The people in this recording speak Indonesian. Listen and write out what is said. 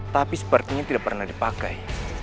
tapi sepertinya tidak pernah dipakai